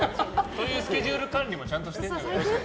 そういうスケジュール管理もちゃんとしてるんじゃないの。